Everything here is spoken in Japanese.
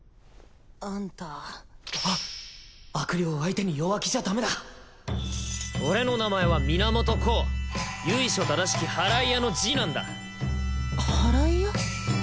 あんたハッ悪霊相手に弱気じゃダメだ俺の名前は源光由緒正しき祓い屋の次男だ祓い屋？